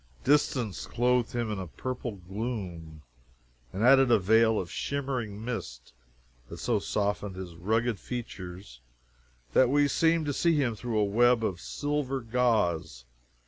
Distance clothed him in a purple gloom, and added a veil of shimmering mist that so softened his rugged features that we seemed to see him through a web of silver gauze.